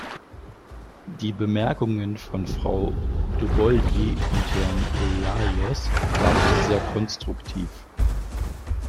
Die Bemerkungen von Frau Dobolyi und Herrn Olajos waren sehr konstruktiv.